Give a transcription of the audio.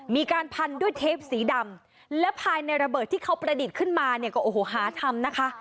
มีการพันด้วยเทปสีดำและภายในระเบิดที่เขาประดิษฐ์ขึ้นมาเนี่ยก็โอ้โหหาทำนะคะ